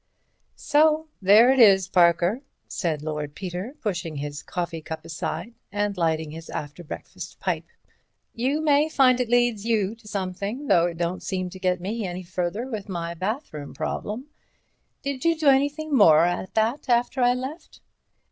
IV "—So there it is, Parker," said Lord Peter, pushing his coffee cup aside and lighting his after breakfast pipe; "you may find it leads you to something, though it don't seem to get me any further with my bathroom problem. Did you do anything more at that after I left?"